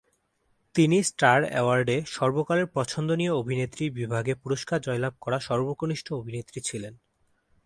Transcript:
তিনি স্টার অ্যাওয়ার্ডে "সর্বকালের পছন্দনীয় অভিনেত্রী" বিভাগে পুরস্কার জয়লাভ করা সর্বকনিষ্ঠ অভিনেত্রী ছিলেন।